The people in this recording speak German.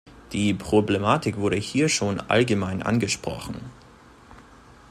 Die Problematik wurde hier schon allgemein angesprochen.